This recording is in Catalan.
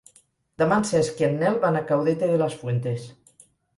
Demà en Cesc i en Nel van a Caudete de las Fuentes.